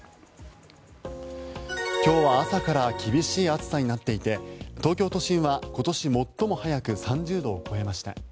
今日は朝から厳しい暑さになっていて東京都心は今年最も早く３０度を超えました。